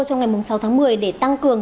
trong ngày sáu tháng một mươi để tăng cường